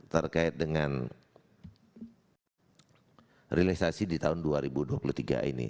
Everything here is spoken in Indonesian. terkait dengan realisasi di tahun dua ribu dua puluh tiga ini